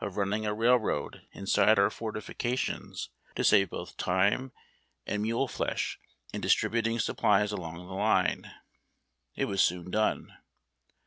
351 running a railroad iusitle our fortifications to save botli time and mule flesh in distributing supplies along the line. It was soon done.